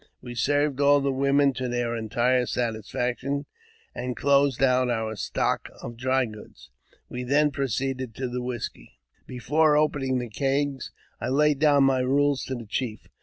We served all the women to their entire satisfaction, and closed out our stock of dry goods. We then proceeded to the whisky. Before opening the kegs, I laid down my rules to the chief.